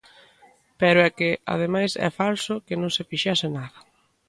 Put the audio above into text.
Pero é que, ademais, é falso que non se fixese nada.